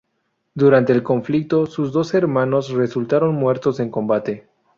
Durante el conflicto, sus dos hermanos resultaron muertos en combate.